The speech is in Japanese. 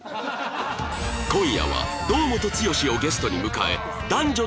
今夜は堂本剛をゲストに迎え